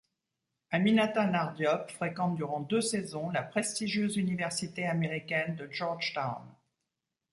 Aminata Nar Diop fréquente durant deux saisons la prestigieuse université américaine de Georgetown.